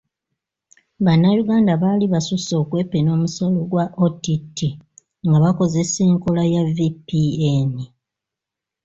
Bannayuganda baali basusse okwepena omusolo gwa OTT nga bakozesa enkola ya VPN.